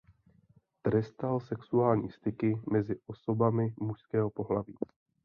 Trestal sexuální styky mezi osobami mužského pohlaví.